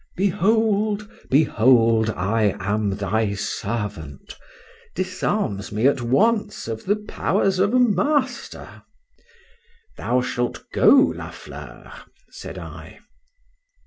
Behold,—Behold, I am thy servant—disarms me at once of the powers of a master.— Thou shalt go, La Fleur! said I.